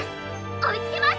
おいつけます！」。